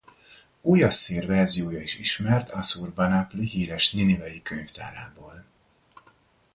Újasszír verziója is ismert Assur-bán-apli híres ninivei könyvtárából.